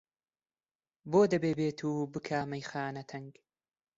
بۆ دەبێ بێت و بکا مەیخانە تەنگ؟!